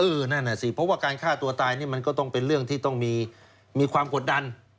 นั่นน่ะสิเพราะว่าการฆ่าตัวตายนี่มันก็ต้องเป็นเรื่องที่ต้องมีความกดดัน